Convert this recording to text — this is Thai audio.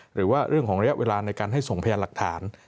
หรือว่าเรื่องของระยะเวลาในการให้ส่งพยานหลักฐาน